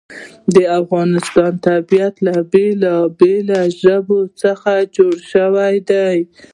د افغانستان طبیعت له بېلابېلو ژبو څخه جوړ شوی دی.